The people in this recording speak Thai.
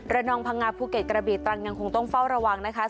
นองพังงาภูเก็ตกระบีตรังยังคงต้องเฝ้าระวังนะคะ